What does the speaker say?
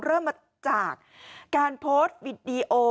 เริ่มมาจากการโพสต์วิดีโอ